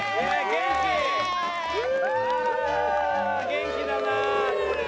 元気だな。